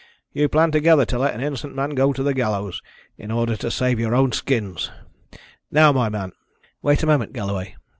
You planned together to let an innocent man go to the gallows in order to save your own skin. Now, my man " "Wait a moment, Galloway."